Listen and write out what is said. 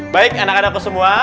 baik anak anakku semua